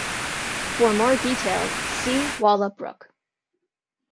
For more details see Walla Brook.